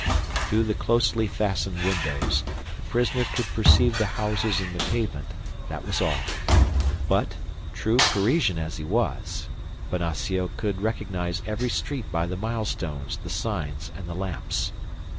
Through the closely fastened windows the prisoner could perceive the houses and the pavement, that was all; but, true Parisian as he was, Bonacieux could recognize every street by the milestones, the signs, and the lamps.